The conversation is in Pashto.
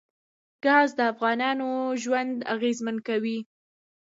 ګاز د افغانانو ژوند اغېزمن کوي.